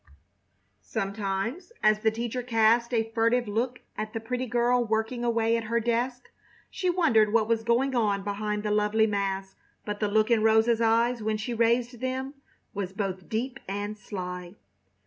Sometimes, as the teacher cast a furtive look at the pretty girl working away at her desk, she wondered what was going on behind the lovely mask. But the look in Rosa's eyes, when she raised them, was both deep and sly.